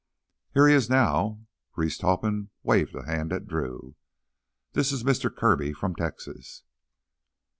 "Here he is now." Reese Topham waved a hand at Drew. "This is Mister Kirby, from Texas."